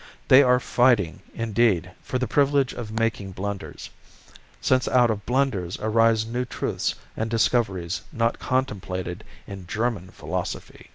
They are fighting, indeed, for the privilege of making blunders since out of blunders arise new truths and discoveries not contemplated in German philosophy.